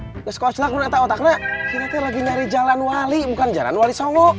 nggak sekoclak lu nanti otak otaknya nanti lagi nyari jalan wali bukan jalan wali songo